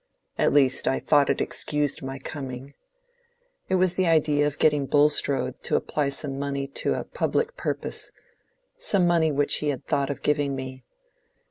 At least I thought it excused my coming. It was the idea of getting Bulstrode to apply some money to a public purpose—some money which he had thought of giving me.